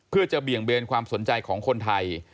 เพื่อจะเบี่ยงเบนความสนใจของคนไทย